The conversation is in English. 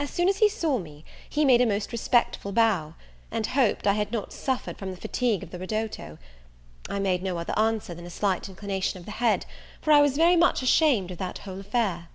As soon as he saw me, he made a most respectful bow, and hoped I had not suffered from the fatigue of the ridotto: I made no other answer than a slight inclination of the head, for I was very much ashamed of that whole affair.